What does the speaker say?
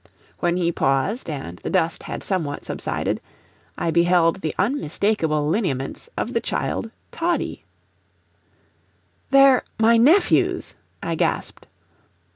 When he paused and the dust had somewhat subsided, I beheld the unmistakable lineaments of the child Toddie! "They're my nephews," I gasped.